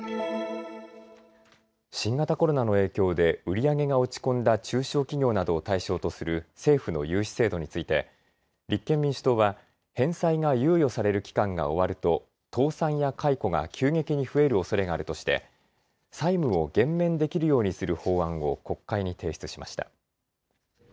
新型コロナの影響で売り上げが落ち込んだ中小企業などを対象とする政府の融資制度について立憲民主党は返済が猶予される期間が終わると倒産や解雇が急激に増えるおそれがあるとして債務を減免できるようにする法案を国会に提出しました。